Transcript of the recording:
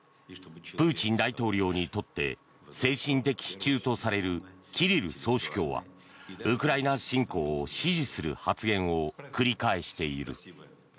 プーチン大統領にとって精神的支柱とされるキリル総主教はウクライナ侵攻を支持する発言を繰り返している。